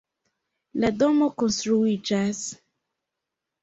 La domo konstruiĝas.